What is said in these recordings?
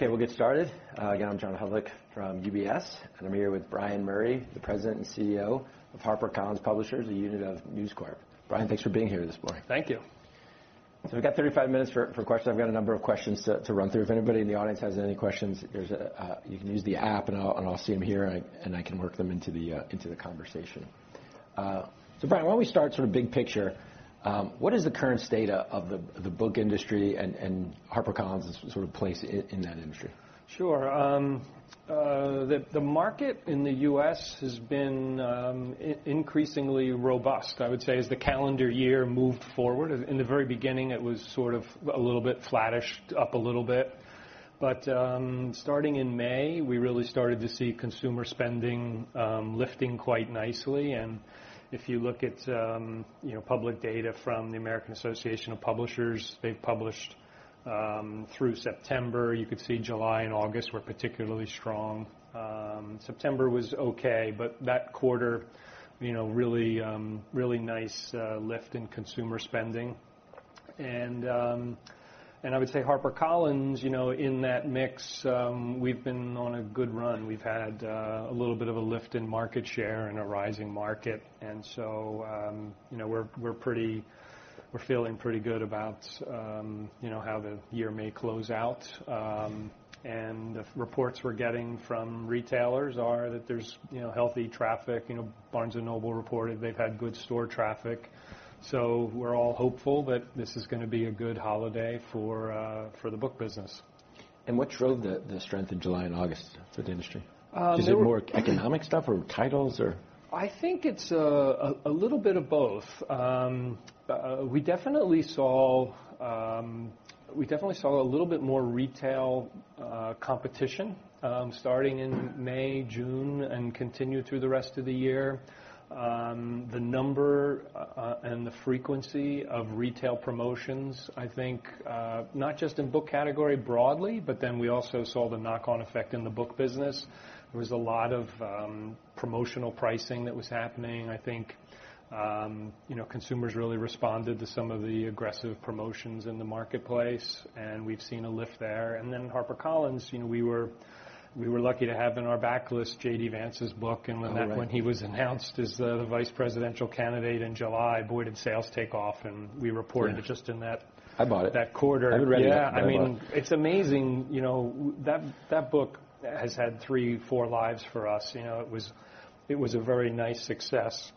Okay, we'll get started. I'm John Hodulik from UBS, and I'm here with Brian Murray, the President and CEO of HarperCollins Publishers, a unit of News Corp. Brian, thanks for being here this morning. Thank you. So we've got 35 minutes for questions. I've got a number of questions to run through. If anybody in the audience has any questions, you can use the app, and I'll see them here, and I can work them into the conversation. So, Brian, why don't we start sort of big picture? What is the current state of the book industry and HarperCollins' sort of place in that industry? Sure. The market in the U.S. has been increasingly robust, I would say, as the calendar year moved forward. In the very beginning, it was sort of a little bit flattish, up a little bit, but starting in May, we really started to see consumer spending lifting quite nicely, and if you look at, you know, public data from the American Association of Publishers, they've published through September. You could see July and August were particularly strong. September was okay, but that quarter, you know, really, really nice lift in consumer spending, and I would say HarperCollins, you know, in that mix, we've been on a good run. We've had a little bit of a lift in market share and a rising market, and so, you know, we're feeling pretty good about, you know, how the year may close out. And the reports we're getting from retailers are that there's, you know, healthy traffic. You know, Barnes & Noble reported they've had good store traffic. So we're all hopeful that this is gonna be a good holiday for the book business. What drove the strength in July and August for the industry? so. Is it more economic stuff or titles or? I think it's a little bit of both. We definitely saw a little bit more retail competition starting in May, June, and continue through the rest of the year. The number and the frequency of retail promotions, I think, not just in book category broadly, but then we also saw the knock-on effect in the book business. There was a lot of promotional pricing that was happening. I think, you know, consumers really responded to some of the aggressive promotions in the marketplace, and we've seen a lift there. And then HarperCollins, you know, we were lucky to have in our backlist J.D. Vance's book. I remember that. And when he was announced as the vice presidential candidate in July, boy, did sales take off. And we reported just in that. I bought it. That quarter. I haven't read it yet. Yeah. I mean, it's amazing, you know, that book has had three, four lives for us. You know, it was a very nice success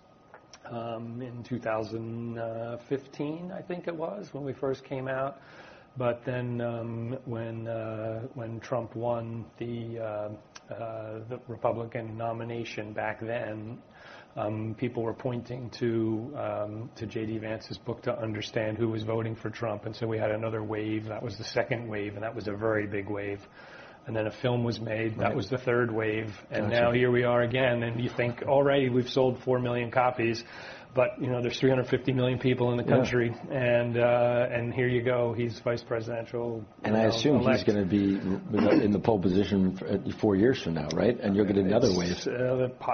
in 2015, I think it was, when we first came out. But then, when Trump won the Republican nomination back then, people were pointing to J.D. Vance's book to understand who was voting for Trump. And so we had another wave. That was the second wave, and that was a very big wave. And then a film was made. Wow. That was the third wave. That's awesome. And now here we are again, and you think, "All right, we've sold four million copies, but, you know, there's 350 million people in the country. Mm-hmm. Here you go, he's vice presidential. And I assume he's gonna be in the pole position four years from now, right? And you'll get another wave.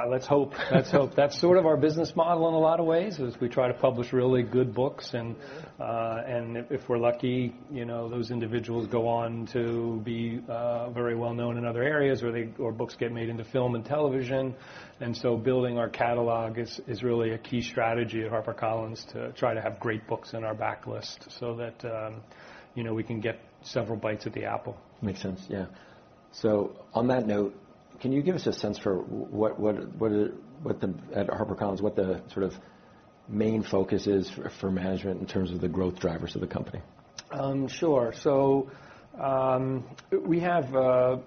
Let's hope. Let's hope. That's sort of our business model in a lot of ways, is we try to publish really good books. And, and if we're lucky, you know, those individuals go on to be, very well known in other areas where they or books get made into film and television. And so building our catalog is, is really a key strategy at HarperCollins to try to have great books in our backlist so that, you know, we can get several bites at the apple. Makes sense. Yeah, so on that note, can you give us a sense for what the at HarperCollins, what the sort of main focus is for management in terms of the growth drivers of the company? Sure. So,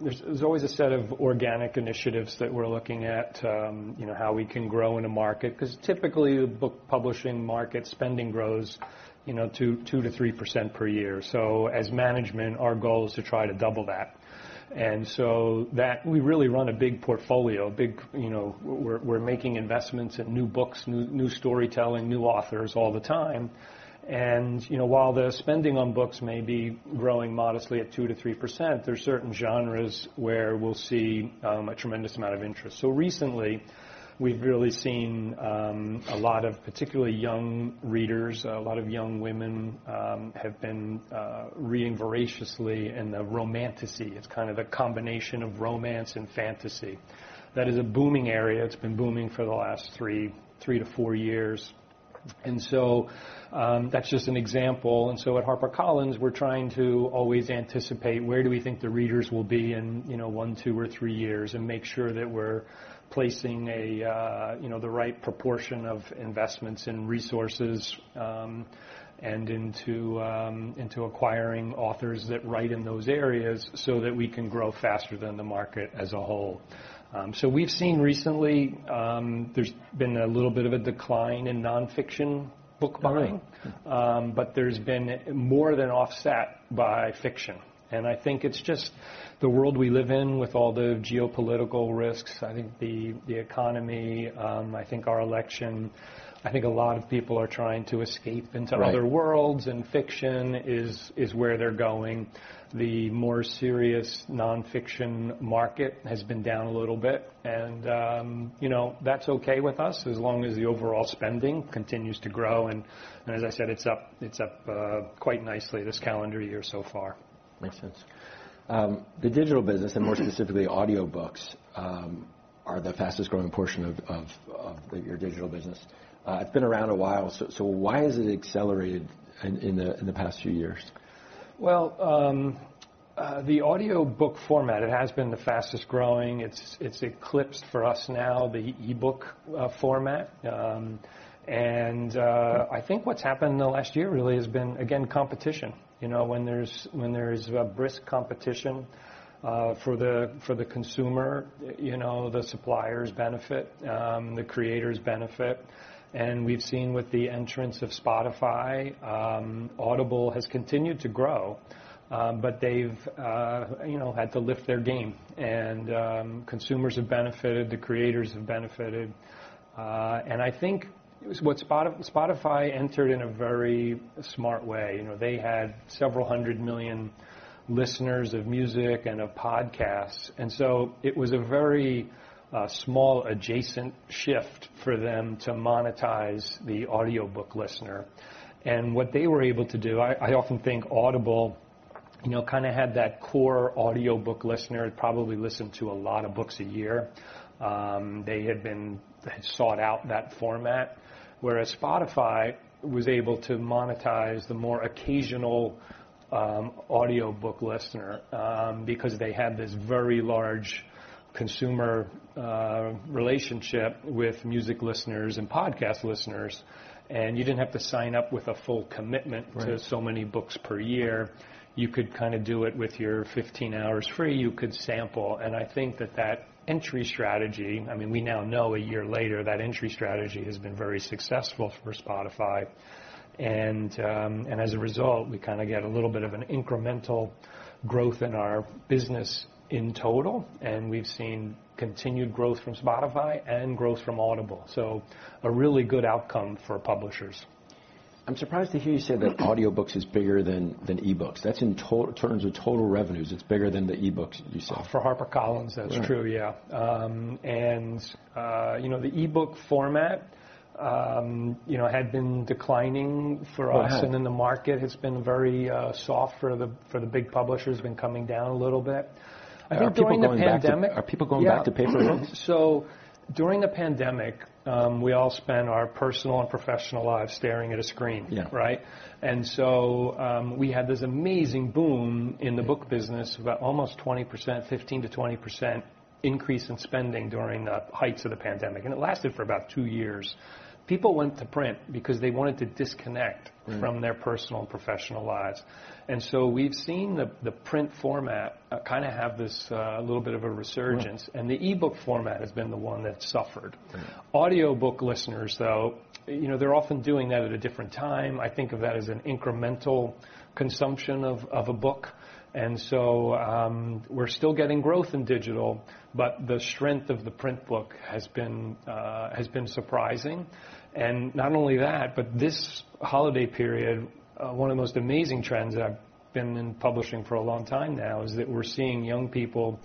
there's always a set of organic initiatives that we're looking at, you know, how we can grow in a market. 'Cause typically, the book publishing market spending grows, you know, 2%-3% per year. So as management, our goal is to try to double that. And so that we really run a big portfolio, you know, we're making investments in new books, new storytelling, new authors all the time. And, you know, while the spending on books may be growing modestly at 2%-3%, there's certain genres where we'll see a tremendous amount of interest. So recently, we've really seen a lot of particularly young readers, a lot of young women have been reading voraciously in the romantasy. It's kind of a combination of romance and fantasy. That is a booming area. It's been booming for the last three, three to four years, and so that's just an example, and so at HarperCollins, we're trying to always anticipate where do we think the readers will be in, you know, one, two, or three years and make sure that we're placing a, you know, the right proportion of investments in resources, and into, into acquiring authors that write in those areas so that we can grow faster than the market as a whole, so we've seen recently there's been a little bit of a decline in nonfiction book buying. Wow. But there's been more than offset by fiction. And I think it's just the world we live in with all the geopolitical risks. I think the economy, I think our election, I think a lot of people are trying to escape into other worlds. Right. And fiction is where they're going. The more serious nonfiction market has been down a little bit. And, you know, that's okay with us as long as the overall spending continues to grow. And as I said, it's up quite nicely this calendar year so far. Makes sense. The digital business, and more specifically audiobooks, are the fastest growing portion of your digital business. It's been around a while. So why has it accelerated in the past few years? The audiobook format, it has been the fastest growing. It's eclipsed for us now, the e-book format. I think what's happened in the last year really has been, again, competition. You know, when there's brisk competition for the consumer, you know, the suppliers benefit, the creators benefit. We've seen with the entrance of Spotify, Audible has continued to grow, but they've, you know, had to lift their game. Consumers have benefited, the creators have benefited. I think what Spotify entered in a very smart way. You know, they had several hundred million listeners of music and of podcasts. So it was a very small adjacent shift for them to monetize the audiobook listener. What they were able to do, I often think Audible, you know, kind of had that core audiobook listener, probably listened to a lot of books a year. They had been sought out that format, whereas Spotify was able to monetize the more occasional audiobook listener, because they had this very large consumer relationship with music listeners and podcast listeners. You didn't have to sign up with a full commitment. Right. To so many books per year. You could kind of do it with your 15 hours free. You could sample, and I think that that entry strategy, I mean, we now know a year later that entry strategy has been very successful for Spotify. And, and as a result, we kind of get a little bit of an incremental growth in our business in total. And we've seen continued growth from Spotify and growth from Audible. So a really good outcome for publishers. I'm surprised to hear you say that audiobooks is bigger than e-books. That's in terms of total revenues. It's bigger than the e-books you said. For HarperCollins, that's true. Right. Yeah, and you know, the e-book format, you know, had been declining for us. Wow. And then the market has been very soft for the big publishers, been coming down a little bit. How are people going through the pandemic? Are people going back to paper books? During the pandemic, we all spent our personal and professional lives staring at a screen. Yeah. Right? And so, we had this amazing boom in the book business, about almost 20%, 15%-20% increase in spending during the heights of the pandemic. It lasted for about two years. People went to print because they wanted to disconnect. Right. From their personal and professional lives. And so we've seen the print format kind of have this a little bit of a resurgence. And the e-book format has been the one that suffered. Right. Audiobook listeners, though, you know, they're often doing that at a different time. I think of that as an incremental consumption of a book. And so, we're still getting growth in digital, but the strength of the print book has been surprising. And not only that, but this holiday period, one of the most amazing trends that I've been in publishing for a long time now is that we're seeing young people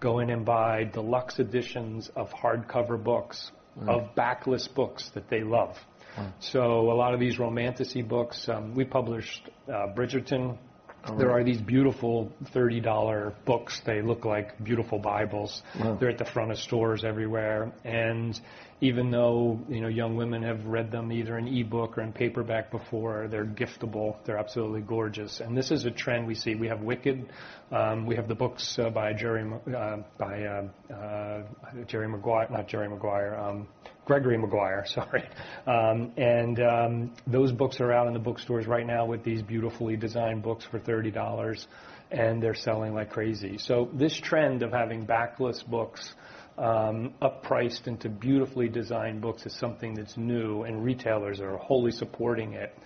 go in and buy deluxe editions of hardcover books. Right. Of backlist books that they love. Wow. So, a lot of these romantasy books we published: Bridgerton. Oh. There are these beautiful $30 books. They look like beautiful Bibles. Wow. They're at the front of stores everywhere. And even though, you know, young women have read them either in e-book or in paperback before, they're giftable. They're absolutely gorgeous. And this is a trend we see. We have Wicked. We have the books by Jerry, by Jerry Maguire, not Jerry Maguire, Gregory Maguire, sorry. And those books are out in the bookstores right now with these beautifully designed books for $30. And they're selling like crazy. So this trend of having backlist books uppriced into beautifully designed books is something that's new, and retailers are wholly supporting it.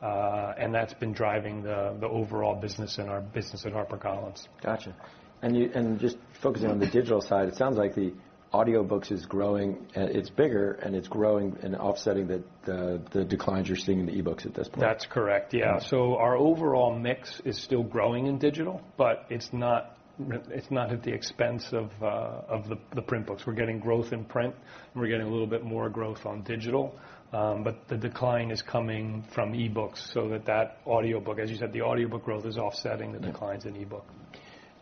And that's been driving the overall business in our business at HarperCollins. Gotcha. And just focusing on the digital side, it sounds like the audiobooks is growing, and it's bigger, and it's growing and offsetting the declines you're seeing in the e-books at this point. That's correct. Yeah. Wow. So our overall mix is still growing in digital, but it's not at the expense of the print books. We're getting growth in print, and we're getting a little bit more growth on digital. But the decline is coming from e-books. That audiobook, as you said, the audiobook growth is offsetting the declines in e-books.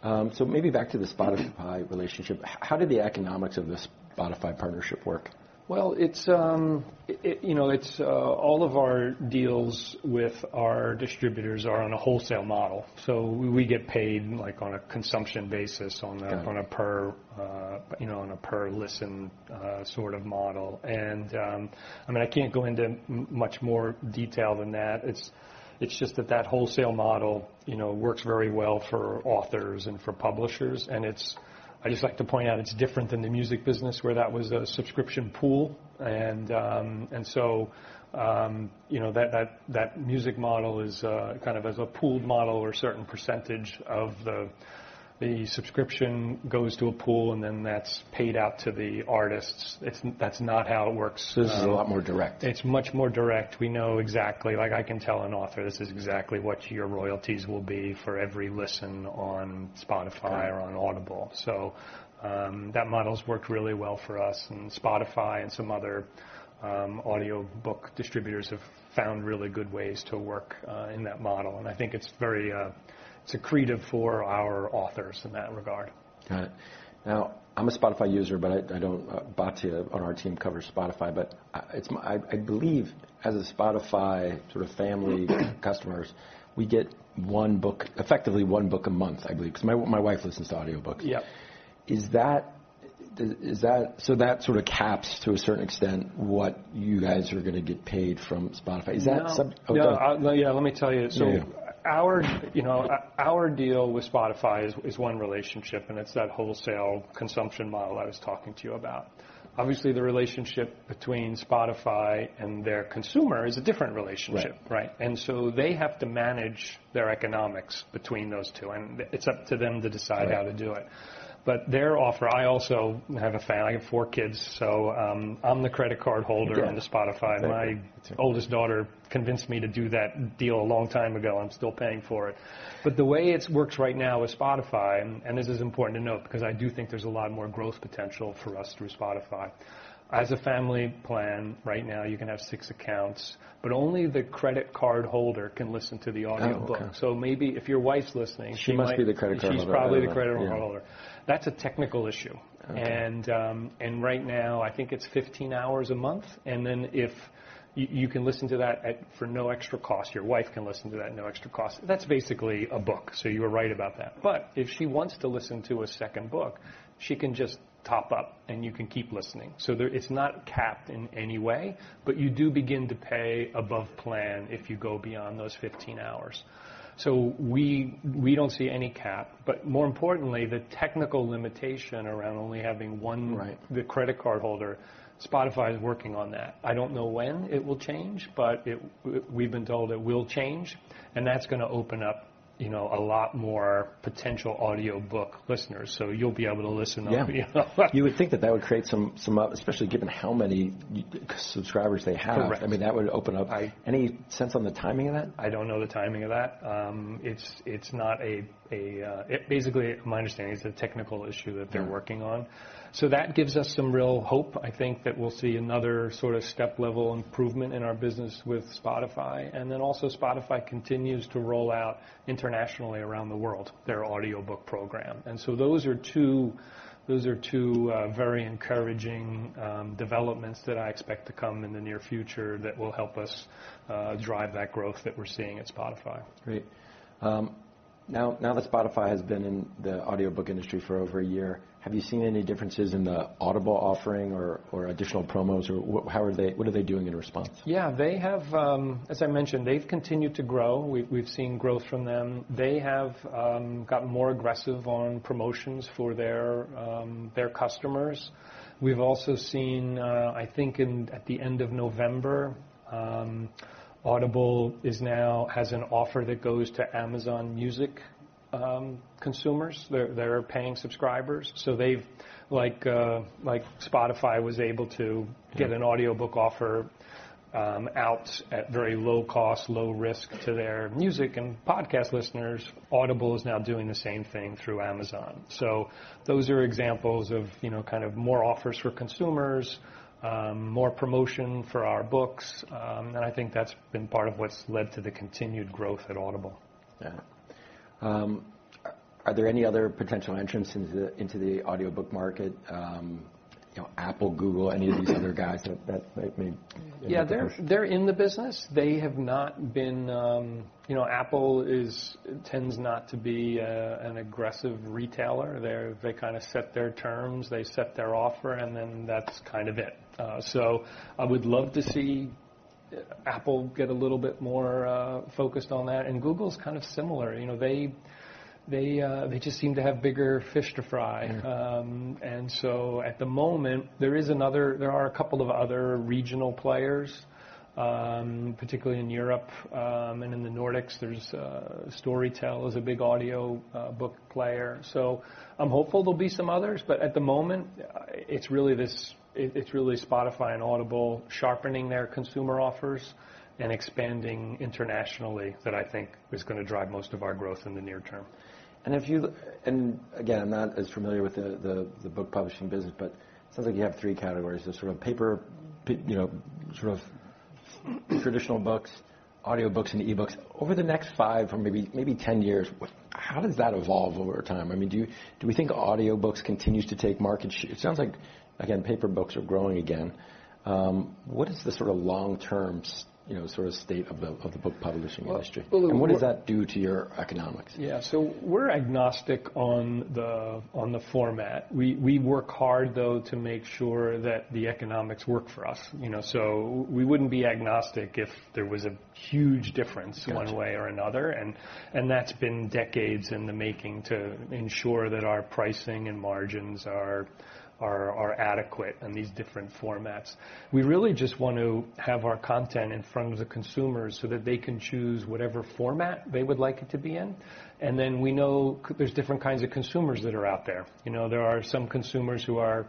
So maybe back to the Spotify relationship. How did the economics of the Spotify partnership work? It's, you know, all of our deals with our distributors are on a wholesale model. So we get paid like on a consumption basis on a. Okay. On a per listen, you know, sort of model, and I mean, I can't go into much more detail than that. It's just that wholesale model, you know, works very well for authors and for publishers, and I just like to point out, it's different than the music business where that was a subscription pool, and so, you know, that music model is kind of as a pooled model where a certain percentage of the subscription goes to a pool, and then that's paid out to the artists, that's not how it works. This is a lot more direct. It's much more direct. We know exactly, like I can tell an author, this is exactly what your royalties will be for every listen on Spotify. Right. Or on Audible. So, that model's worked really well for us. And Spotify and some other audiobook distributors have found really good ways to work in that model. And I think it's very creative for our authors in that regard. Got it. Now, I'm a Spotify user, but I don't, Batya on our team covers Spotify. But, I believe as a Spotify sort of family customers, we get one book, effectively one book a month, I believe. 'Cause my wife listens to audiobooks. Yep. Is that, so that sort of caps to a certain extent what you guys are gonna get paid from Spotify? Is that sub? No. Oh, no. No, yeah. Let me tell you. So yeah. You know, our deal with Spotify is one relationship, and it's that wholesale consumption model I was talking to you about. Obviously, the relationship between Spotify and their consumer is a different relationship. Right. Right? And so they have to manage their economics between those two. And it's up to them to decide how to do it. Right. But their offer, I also have a family, I have four kids. So, I'm the credit card holder. Sure. The Spotify. That's right. My oldest daughter convinced me to do that deal a long time ago. I'm still paying for it. But the way it works right now with Spotify, and this is important to note because I do think there's a lot more growth potential for us through Spotify. As a family plan, right now, you can have six accounts, but only the credit card holder can listen to the audiobook. Oh, okay. So maybe if your wife's listening. She must be the credit card holder. She's probably the credit card holder. That's a technical issue. Okay. Right now, I think it's 15 hours a month, and then if you can listen to that at 1x for no extra cost, your wife can listen to that at no extra cost. That's basically a book, so you were right about that, but if she wants to listen to a second book, she can just top up, and you can keep listening, so there, it's not capped in any way, but you do begin to pay above plan if you go beyond those 15 hours, so we don't see any cap, but more importantly, the technical limitation around only having one. Right. The credit card holder. Spotify is working on that. I don't know when it will change, but it, we've been told it will change, and that's gonna open up, you know, a lot more potential audiobook listeners, so you'll be able to listen on video. Yeah. You would think that that would create some, especially given how many subscribers they have. Correct. I mean, that would open up. I. Any sense on the timing of that? I don't know the timing of that. It's not. It basically, my understanding is a technical issue that they're working on. Yeah. So that gives us some real hope, I think, that we'll see another sort of step-level improvement in our business with Spotify. And then also, Spotify continues to roll out internationally around the world, their audiobook program. And so those are two very encouraging developments that I expect to come in the near future that will help us drive that growth that we're seeing at Spotify. Great. Now that Spotify has been in the audiobook industry for over a year, have you seen any differences in the Audible offering or additional promos? Or what are they doing in response? Yeah. They have, as I mentioned, they've continued to grow. We've seen growth from them. They have gotten more aggressive on promotions for their customers. We've also seen. I think at the end of November, Audible now has an offer that goes to Amazon Music consumers. They're paying subscribers. So they've like Spotify was able to get an audiobook offer out at very low cost, low risk to their music and podcast listeners. Audible is now doing the same thing through Amazon. So those are examples of, you know, kind of more offers for consumers, more promotion for our books. And I think that's been part of what's led to the continued growth at Audible. Yeah. Are there any other potential entrants into the audiobook market? You know, Apple, Google, any of these other guys that may be interested? Yeah. They're in the business. They have not been, you know. Apple tends not to be an aggressive retailer. They kind of set their terms, they set their offer, and then that's kind of it, so I would love to see Apple get a little bit more focused on that. And Google's kind of similar. You know, they just seem to have bigger fish to fry. Yeah. And so at the moment, there is another, there are a couple of other regional players, particularly in Europe. And in the Nordics, there's Storytel is a big audiobook player. So I'm hopeful there'll be some others. But at the moment, it's really this, it's really Spotify and Audible sharpening their consumer offers and expanding internationally that I think is gonna drive most of our growth in the near term. And again, I'm not as familiar with the book publishing business, but it sounds like you have three categories. There's sort of paper, you know, sort of traditional books, audiobooks, and e-books. Over the next five or maybe 10 years, how does that evolve over time? I mean, do we think audiobooks continue to take market share? It sounds like, again, paper books are growing again. What is the sort of long-term, you know, sort of state of the book publishing industry? Well, we. What does that do to your economics? Yeah. So we're agnostic on the format. We work hard, though, to make sure that the economics work for us. You know, so we wouldn't be agnostic if there was a huge difference. Yeah. One way or another. And that's been decades in the making to ensure that our pricing and margins are adequate in these different formats. We really just wanna have our content in front of the consumers so that they can choose whatever format they would like it to be in. And then we know there's different kinds of consumers that are out there. You know, there are some consumers who are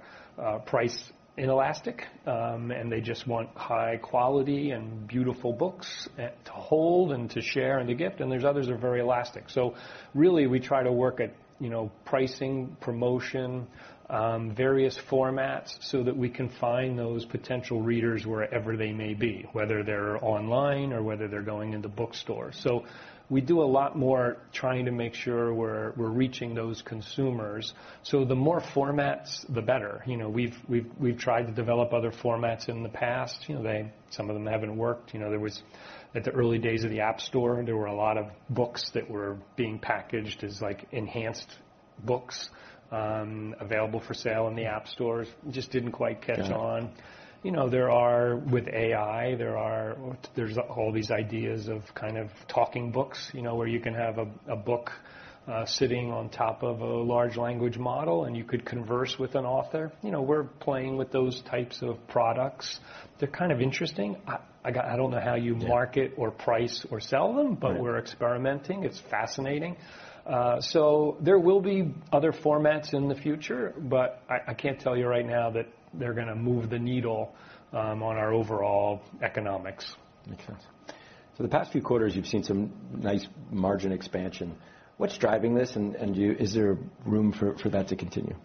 price inelastic, and they just want high quality and beautiful books to hold and to share and to gift. And there's others who are very elastic. So really, we try to work at, you know, pricing, promotion, various formats so that we can find those potential readers wherever they may be, whether they're online or whether they're going into bookstores. So we do a lot more trying to make sure we're reaching those consumers. So the more formats, the better. You know, we've tried to develop other formats in the past. You know, they, some of them haven't worked. You know, there was at the early days of the App Store, there were a lot of books that were being packaged as like enhanced books, available for sale in the App Stores. Just didn't quite catch on. Yeah. You know, with AI, there are all these ideas of kind of talking books, you know, where you can have a book sitting on top of a large language model, and you could converse with an author. You know, we're playing with those types of products. They're kind of interesting. I got, I don't know how you market or price or sell them. Yeah. But we're experimenting. It's fascinating. So there will be other formats in the future, but I, I can't tell you right now that they're gonna move the needle, on our overall economics. Makes sense. So the past few quarters, you've seen some nice margin expansion. What's driving this? And do you, is there room for that to continue?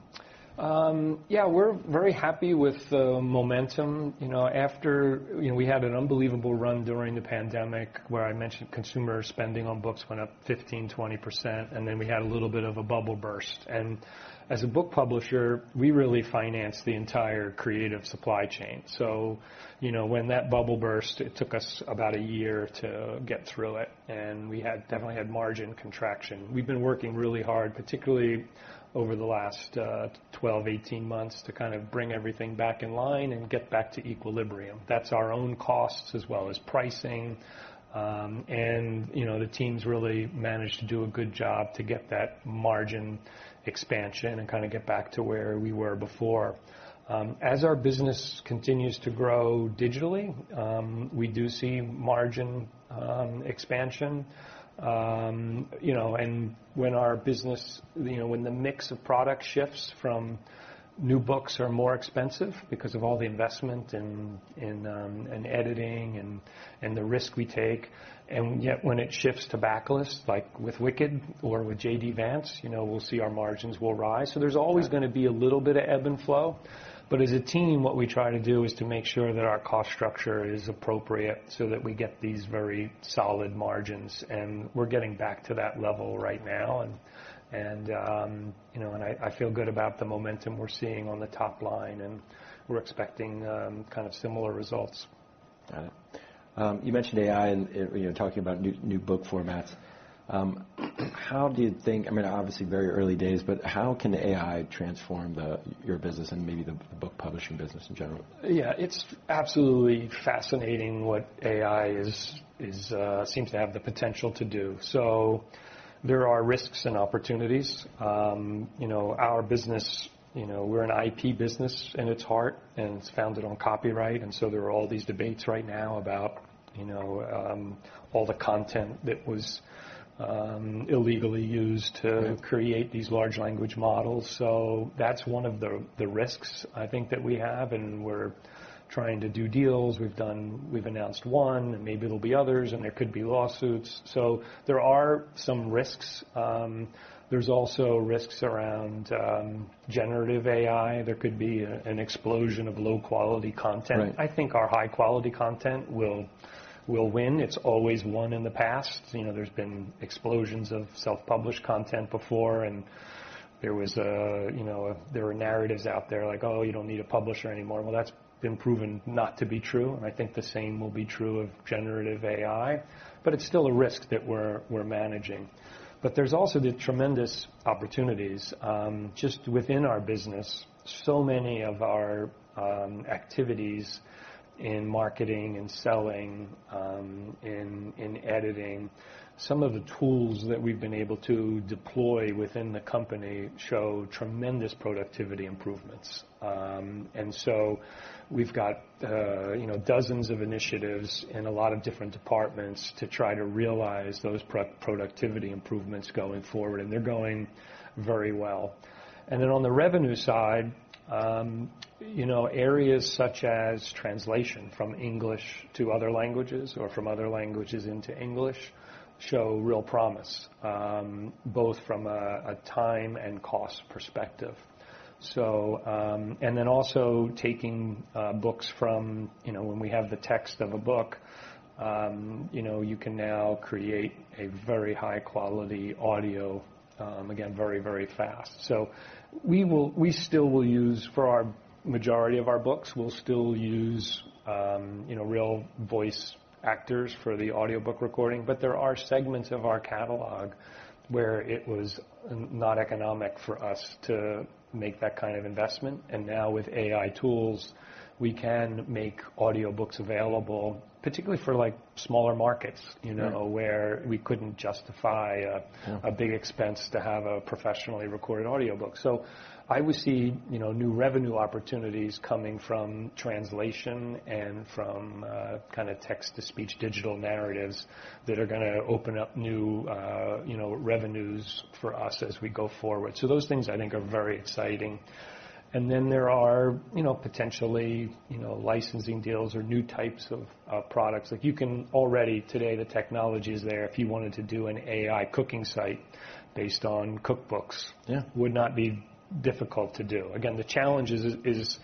Yeah. We're very happy with the momentum. You know, after you know, we had an unbelievable run during the pandemic where I mentioned consumer spending on books went up 15%-20%, and then we had a little bit of a bubble burst, and as a book publisher, we really finance the entire creative supply chain. You know, when that bubble burst, it took us about a year to get through it. And we had definitely had margin contraction. We've been working really hard, particularly over the last 12-18 months to kind of bring everything back in line and get back to equilibrium. That's our own costs as well as pricing, and you know, the teams really managed to do a good job to get that margin expansion and kind of get back to where we were before. As our business continues to grow digitally, we do see margin expansion. You know, and when our business, you know, when the mix of product shifts from new books are more expensive because of all the investment and editing and the risk we take, and yet when it shifts to backlist, like with Wicked or with J.D. Vance, you know, we'll see our margins will rise. So there's always gonna be a little bit of ebb and flow. But as a team, what we try to do is to make sure that our cost structure is appropriate so that we get these very solid margins, and we're getting back to that level right now. And you know, I feel good about the momentum we're seeing on the top line, and we're expecting kind of similar results. Got it. You mentioned AI and, you know, talking about new book formats. How do you think, I mean, obviously very early days, but how can AI transform the your business and maybe the book publishing business in general? Yeah. It's absolutely fascinating what AI is, seems to have the potential to do. So there are risks and opportunities. You know, our business, you know, we're an IP business at its heart, and it's founded on copyright. And so there are all these debates right now about, you know, all the content that was illegally used to create these large language models. So that's one of the risks I think that we have. And we're trying to do deals. We've done, we've announced one, and maybe there'll be others, and there could be lawsuits. So there are some risks. There's also risks around generative AI. There could be an explosion of low-quality content. Right. I think our high-quality content will win. It's always won in the past. You know, there's been explosions of self-published content before. And there was, you know, there were narratives out there like, "Oh, you don't need a publisher anymore." Well, that's been proven not to be true. And I think the same will be true of generative AI. But it's still a risk that we're managing. But there's also the tremendous opportunities, just within our business. So many of our activities in marketing and selling, in editing, some of the tools that we've been able to deploy within the company show tremendous productivity improvements, and so we've got, you know, dozens of initiatives in a lot of different departments to try to realize those productivity improvements going forward, and they're going very well. And then on the revenue side, you know, areas such as translation from English to other languages or from other languages into English show real promise, both from a time and cost perspective. So and then also taking books from, you know, when we have the text of a book, you know, you can now create a very high-quality audio, again, very, very fast. So we still will use for our majority of our books. We'll still use, you know, real voice actors for the audiobook recording. But there are segments of our catalog where it was not economic for us to make that kind of investment. And now with AI tools, we can make audiobooks available, particularly for like smaller markets, you know. Yeah. Where we couldn't justify a big expense to have a professionally recorded audiobook. So I would see, you know, new revenue opportunities coming from translation and from, kind of text-to-speech digital narratives that are gonna open up new, you know, revenues for us as we go forward. So those things I think are very exciting. And then there are, you know, potentially, you know, licensing deals or new types of, products. Like you can already today, the technology is there. If you wanted to do an AI cooking site based on cookbooks. Yeah. Would not be difficult to do. Again, the challenge is,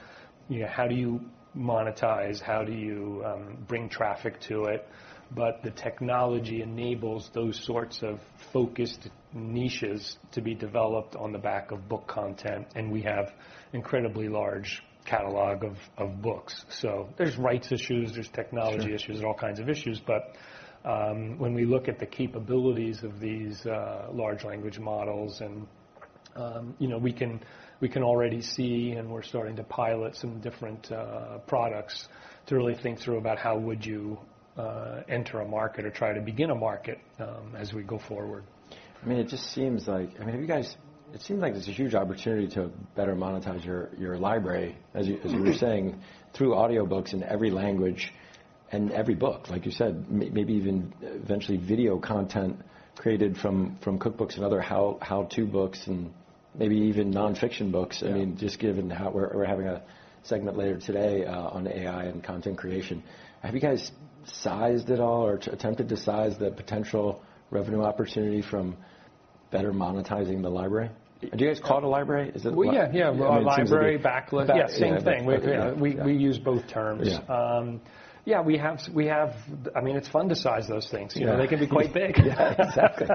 you know, how do you monetize? How do you bring traffic to it? But the technology enables those sorts of focused niches to be developed on the back of book content. And we have incredibly large catalog of books. So there's rights issues, there's technology issues. Yeah. There's all kinds of issues. But when we look at the capabilities of these large language models and, you know, we can already see, and we're starting to pilot some different products to really think through about how would you enter a market or try to begin a market, as we go forward. I mean, it just seems like, I mean, have you guys, it seems like there's a huge opportunity to better monetize your library as you were saying. Absolutely. Through audiobooks in every language and every book, like you said, maybe even eventually video content created from cookbooks and other how-to books and maybe even non-fiction books. Yeah. I mean, just given how we're having a segment later today, on AI and content creation. Have you guys sized at all or attempted to size the potential revenue opportunity from better monetizing the library? Do you guys call it a library? Is that the question? Well, yeah. Yeah. Or a library backlist? Yeah. Same thing. We use both terms. Yeah. Yeah. We have, I mean, it's fun to size those things. Yeah. You know, they can be quite big. Yeah. Exactly.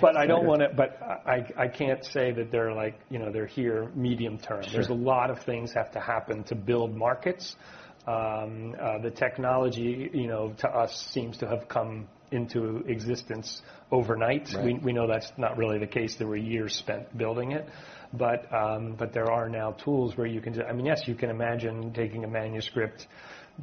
But I don't wanna, but I can't say that they're like, you know, they're here medium term. Yeah. There's a lot of things have to happen to build markets. The technology, you know, to us seems to have come into existence overnight. Right. We know that's not really the case. There were years spent building it, but there are now tools where you can do. I mean, yes, you can imagine taking a manuscript,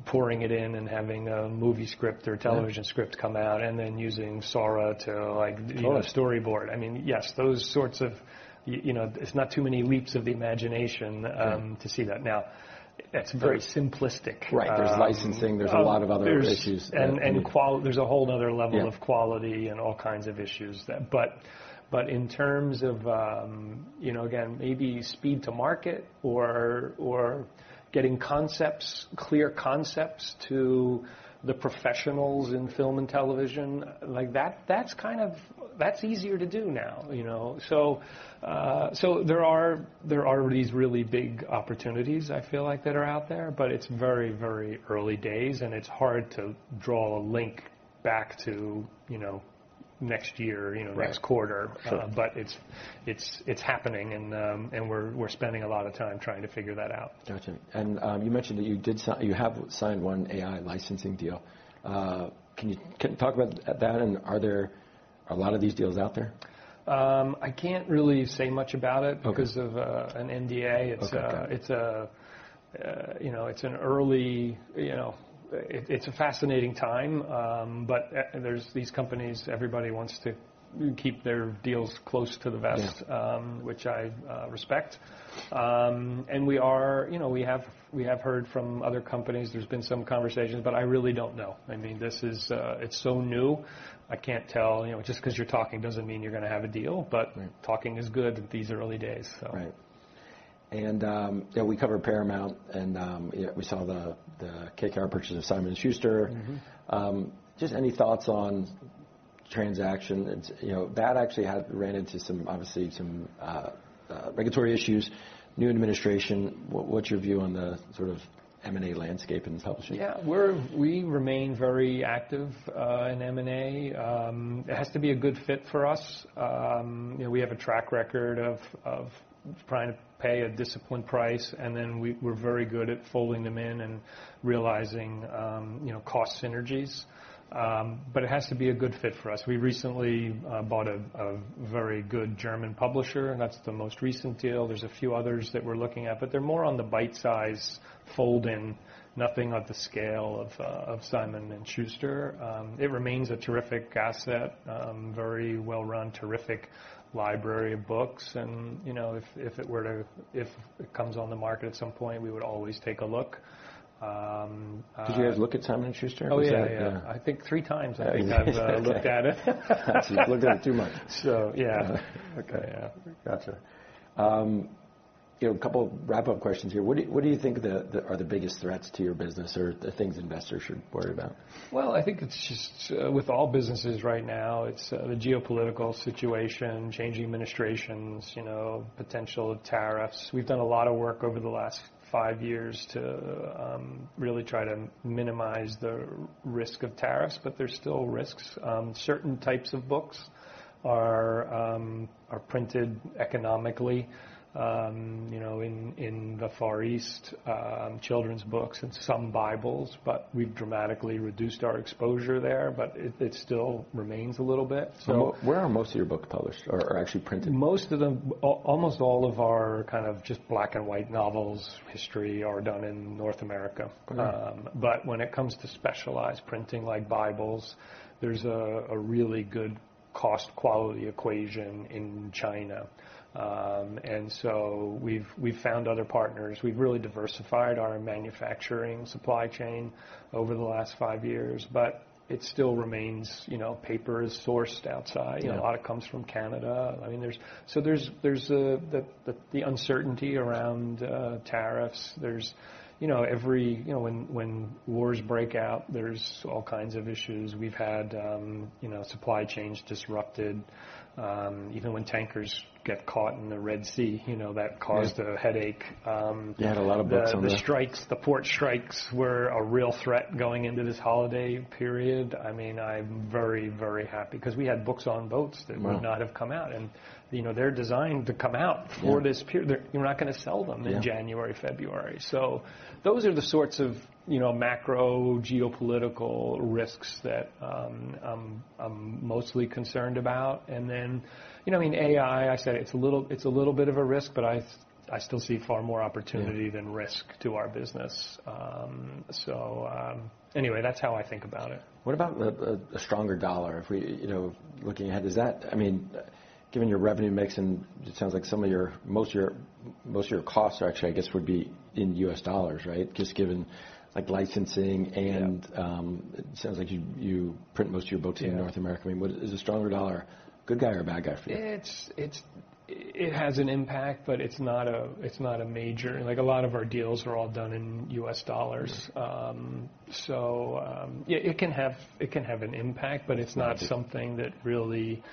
pouring it in, and having a movie script or television script come out and then using Sora to like. Totally. You know, a storyboard. I mean, yes, those sorts of, you know, it's not too many leaps of the imagination, to see that. Now, that's very simplistic. Right. There's licensing. There's a lot of other issues. There's a whole nother level of quality and all kinds of issues that, but in terms of, you know, again, maybe speed to market or getting concepts, clear concepts to the professionals in film and television, like that. That's kind of easier to do now, you know, so there are these really big opportunities I feel like that are out there, but it's very, very early days, and it's hard to draw a link back to, you know, next year, you know. Right. Next quarter. Sure. But it's happening. And we're spending a lot of time trying to figure that out. Gotcha. And you mentioned that you did, you have signed one AI licensing deal. Can you talk about that? And are there a lot of these deals out there? I can't really say much about it. Okay. Because of an NDA. It's a Okay. It's, you know, it's an early, you know, it's a fascinating time, but there's these companies. Everybody wants to keep their deals close to the vest. Yeah. which I respect, and we are, you know, we have heard from other companies. There's been some conversations, but I really don't know. I mean, this is, it's so new, I can't tell, you know, just 'cause you're talking doesn't mean you're gonna have a deal. But. Right. Talking is good at these early days, so. Right. And, yeah, we covered Paramount and, yeah, we saw the KKR purchase of Simon & Schuster. Mm-hmm. Just any thoughts on transaction? It's, you know, that actually had ran into some, obviously some, regulatory issues. New administration, what's your view on the sort of M&A landscape in publishing? Yeah. We're, we remain very active in M&A. It has to be a good fit for us. You know, we have a track record of trying to pay a disciplined price. And then we're very good at folding them in and realizing, you know, cost synergies. But it has to be a good fit for us. We recently bought a very good German publisher. That's the most recent deal. There's a few others that we're looking at, but they're more on the bite-size fold-in, nothing of the scale of Simon & Schuster. It remains a terrific asset, very well-run, terrific library of books. And, you know, if it comes on the market at some point, we would always take a look. Did you guys look at Simon & Schuster? Oh, yeah. Was that? Yeah. I think three times, I think I've looked at it. I see. Looked at it too much. So yeah. Okay. Yeah. Gotcha. You know, a couple wrap-up questions here. What do you think they are, the biggest threats to your business or the things investors should worry about? I think it's just with all businesses right now the geopolitical situation, changing administrations, you know, potential tariffs. We've done a lot of work over the last five years to really try to minimize the risk of tariffs, but there's still risks. Certain types of books are printed economically, you know, in the Far East, children's books and some Bibles, but we've dramatically reduced our exposure there, but it still remains a little bit. So. What, where are most of your books published or actually printed? Most of them, almost all of our kind of just black-and-white novels history are done in North America. Okay. But when it comes to specialized printing like Bibles, there's a really good cost-quality equation in China. And so we've found other partners. We've really diversified our manufacturing supply chain over the last five years, but it still remains, you know, paper is sourced outside. Yeah. You know, a lot of it comes from Canada. I mean, there's the uncertainty around tariffs. There's, you know, when wars break out, there's all kinds of issues. We've had, you know, supply chains disrupted, even when tankers get caught in the Red Sea, you know, that caused a headache. You had a lot of books on that. And the strikes, the port strikes were a real threat going into this holiday period. I mean, I'm very, very happy 'cause we had books on boats that would not have come out. Right. You know, they're designed to come out for this period. You're not gonna sell them in January, February. Those are the sorts of, you know, macro geopolitical risks that I'm mostly concerned about. Then, you know, I mean, AI. I said it's a little bit of a risk, but I still see far more opportunity than risk to our business. Anyway, that's how I think about it. What about a stronger dollar if we, you know, looking ahead, is that, I mean, given your revenue mix and it sounds like most of your costs actually, I guess, would be in U.S. dollars, right? Just given like licensing and. Yeah. It sounds like you print most of your books in North America. Yeah. I mean, what is a stronger dollar, good guy or bad guy for you? It has an impact, but it's not a major, like a lot of our deals are all done in U.S. dollars. Mm-hmm. So, yeah, it can have an impact, but it's not something that really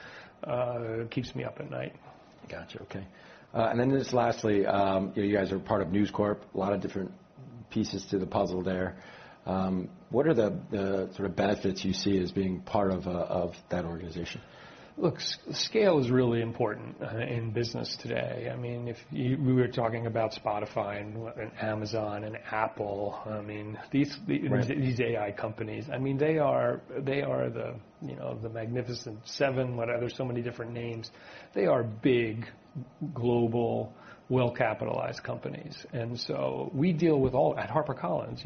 keeps me up at night. Gotcha. Okay. And then just lastly, you know, you guys are part of News Corp, a lot of different pieces to the puzzle there. What are the, the sort of benefits you see as being part of, of that organization? Look, scale is really important in business today. I mean, if you, we were talking about Spotify and Amazon and Apple. I mean, these. Right. These AI companies, I mean, they are the, you know, the Magnificent Seven, whatever. There's so many different names. They are big, global, well-capitalized companies. We deal with all of them at HarperCollins,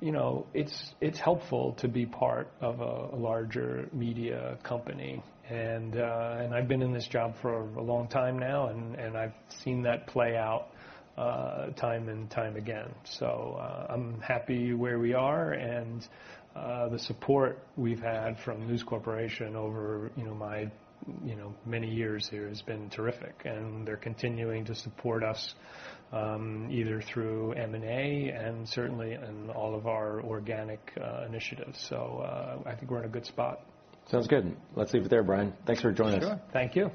you know. It's helpful to be part of a larger media company. I've been in this job for a long time now, and I've seen that play out time and time again. I'm happy where we are. The support we've had from News Corporation over my many years here has been terrific. They're continuing to support us either through M&A and certainly in all of our organic initiatives. I think we're in a good spot. Sounds good. Let's leave it there, Brian. Thanks for joining us. Sure. Thank you.